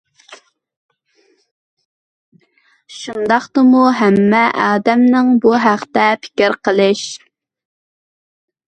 شۇنداقتىمۇ ھەممە ئادەمنىڭ بۇ ھەقتە پىكىر قىلىش.